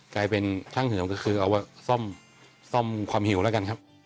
กลายเป็นช่างเหิมก็คือเอามาซ่อมความหิวแล้วกันครับ